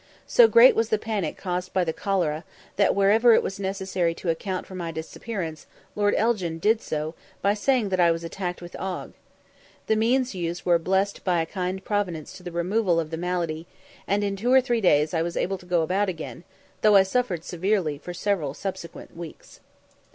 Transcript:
So great was the panic caused by the cholera, that, wherever it was necessary to account for my disappearance, Lord Elgin did so by saying that I was attacked with ague. The means used were blessed by a kind Providence to the removal of the malady, and in two or three days I was able to go about again, though I suffered severely for several subsequent weeks.